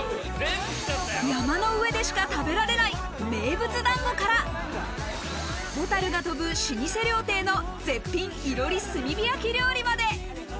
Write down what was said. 山の上でしか食べられない名物だんごから、蛍が飛ぶ老舗料亭の絶品いろり炭火焼料理まで。